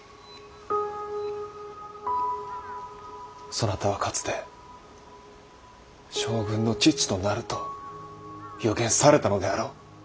そなたはかつて「将軍の父となる」と予言されたのであろう。